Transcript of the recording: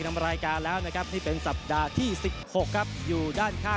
ขณะที่มุมน้ำเงินนะครับพยักร้ายจากเมืองย่าโมนนะครับเด็ดลิสต์ปเตรลกุล